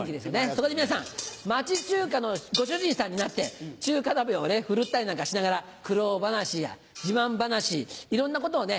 そこで皆さん町中華のご主人さんになって中華鍋をね振るったりなんかしながら苦労話や自慢話いろんなことをね